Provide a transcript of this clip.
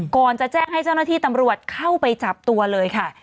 ก่อนจะแจ้งให้เจ้าหน้าที่ตำรวจเข้าไปจับตัวเลยค่ะ